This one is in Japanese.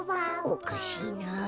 おかしいなあ。